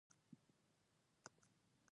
نن مې زړه ډېر تربتېږي دا ولې ؟